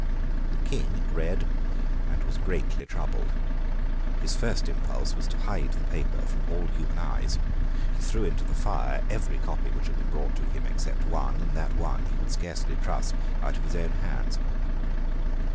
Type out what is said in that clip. The King read, and was greatly troubled. His first impulse was to bide the paper from all human eyes. He threw into the fire every copy which had been brought to him, except one; and that one he would scarcely trust out of his own hands.